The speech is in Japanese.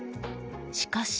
しかし。